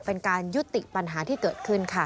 เป็นการยุติปัญหาที่เกิดขึ้นค่ะ